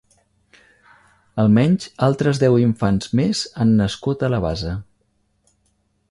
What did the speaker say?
Almenys altres deu infants més han nascut a la base.